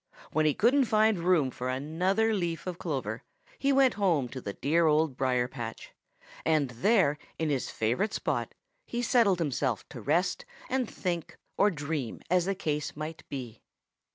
When he couldn't find room for another leaf of clover he went home to the dear Old Briar patch, and there in his favorite spot he settled himself to rest and think or dream as the case might be.